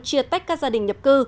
chia tách các gia đình nhập cư